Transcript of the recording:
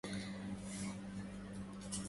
فصون حقهم به قد أمر شرع النبي المصطفى وقرَّرَ